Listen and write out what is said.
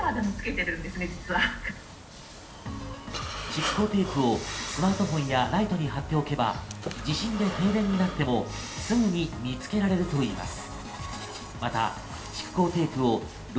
蓄光テープをスマートフォンやライトに貼っておけば、地震で停電になっても、すぐに見つけられるといいます。